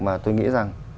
mà tôi nghĩ rằng